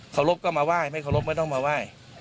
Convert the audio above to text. รบก็มาไหว้ไม่เคารพไม่ต้องมาไหว้